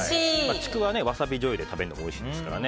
ちくわはワサビじょうゆで食べるのもおいしいですからね